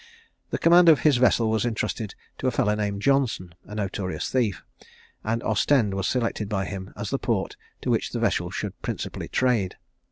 The command of his vessel was entrusted to a fellow named Johnson, a notorious thief; and Ostend was selected by him as the port to which the vessel should principally trade.